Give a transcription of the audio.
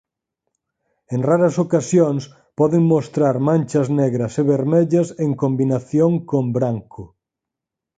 En raras ocasións poden mostrar manchas negras e vermellas en combinación con branco.